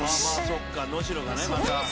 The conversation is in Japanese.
そっか能代がねまた。